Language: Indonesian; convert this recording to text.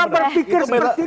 cara berpikir seperti ini